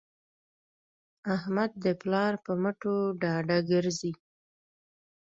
احمد د پلار په مټو ډاډه ګرځي.